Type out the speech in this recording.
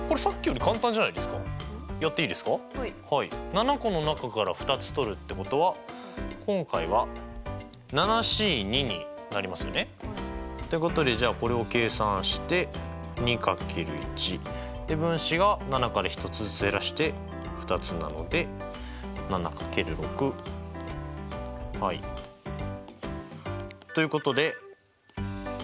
７個の中から２つとるってことは今回はＣになりますよね。ということでじゃあこれを計算して２掛ける１。で分子が７から１つずつ減らして２つなので７掛ける６はい。ということで２１通りです。